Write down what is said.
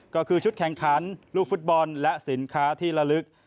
ก็คือชุดแข่งขันลูกฟุตบอลและสินค้าที่ละลึก